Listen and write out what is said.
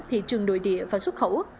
thị trường nội địa và xuất khẩu